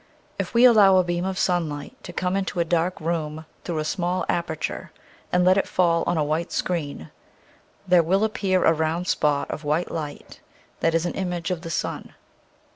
If we allow a beam of sunlight to come into a dark room through a small aper ture and let it fall on a white screen, there will appear a round spot of white light that is an image of the sun.